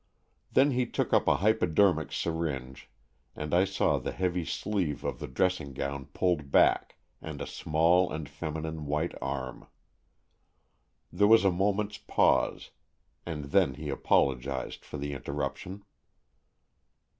Then he took up a hypo dermic syringe and I saw the heavy sleeve of the dressing gown pulled back, and a small and feminine white arm. There was a moment's pause, and then he apologized for the interruption.